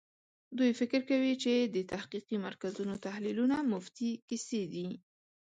دوی فکر کوي چې د تحقیقي مرکزونو تحلیلونه مفتې کیسې دي.